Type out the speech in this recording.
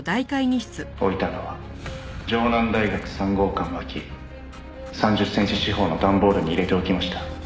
「置いたのは城南大学３号館脇」「３０センチ四方の段ボールに入れておきました」